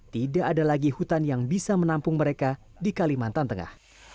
tidak ada lagi hutan yang bisa menampung mereka di kalimantan tengah